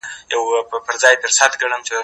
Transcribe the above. زه کولای سم موسيقي اورم،